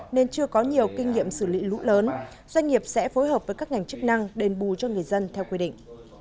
nên chưa có nhiều kinh nghiệm xử lý lũ lớn doanh nghiệp sẽ phối hợp với các ngành chức năng đền bù cho người dân theo quy định